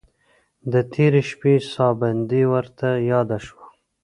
د تېرې شپې ساه بندي ورته یاده شوه.